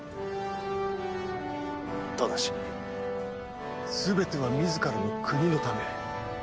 ただし全ては自らの国のため。